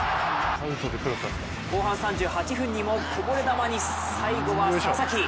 後半３８分にもこぼれ球に最後は佐々木。